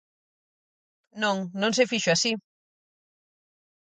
Non, non se fixo así.